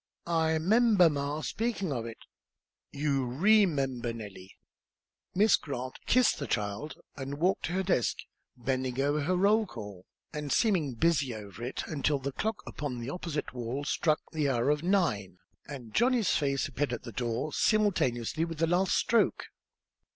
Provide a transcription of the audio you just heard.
I 'member ma speakin' of it." "You remember, Nellie." Miss Grant kissed the child and walked to her desk, bending over her roll call, and seeming busy over it until the clock upon the opposite wall struck the hour of nine, and Johnny's face appeared at the door, simultaneously with the last stroke.